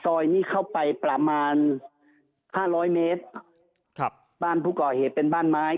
ซอยนี้เข้าไปประมาณห้าร้อยเมตรครับบ้านผู้ก่อเหตุเป็นบ้านไม้